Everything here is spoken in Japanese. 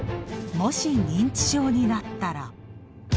もし認知症になったら。